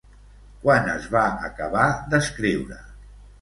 Quan es va acabar d'escriure?